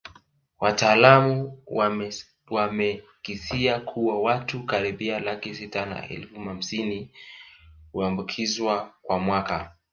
Wataalamu wamekisia kuwa watu karibia laki sita na elfu hamsini huambukizwa kwa mwaka